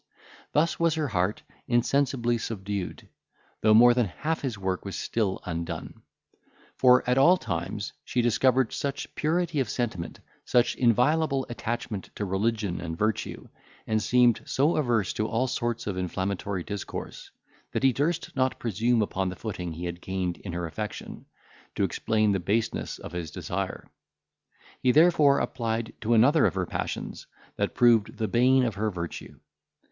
Thus was her heart insensibly subdued; though more than half his work was still undone; for, at all times, she disclosed such purity of sentiment, such inviolable attachment to religion and virtue, and seemed so averse to all sorts of inflammatory discourse, that he durst not presume upon the footing he had gained in her affection, to explain the baseness of his desire; he therefore applied to another of her passions, that proved the bane of her virtue.